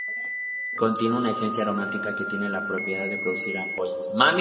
Contiene una esencia aromática que tiene la propiedad de producir ampollas.